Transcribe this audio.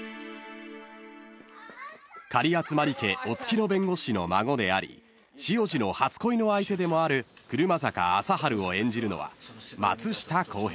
［狩集家お付きの弁護士の孫であり汐路の初恋の相手でもある車坂朝晴を演じるのは松下洸平］